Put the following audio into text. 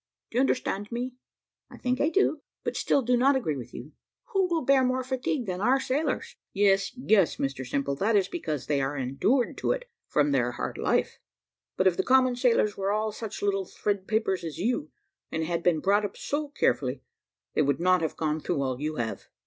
Do you understand me?" "I think I do; but still do not agree with you. Who will bear more fatigue than our sailors?" "Yes, yes, Mr Simple, that is because they are endured to it from their hard life: but if the common sailors were all such little thread papers as you, and had been brought up so carefully, they would not have gone through all you have.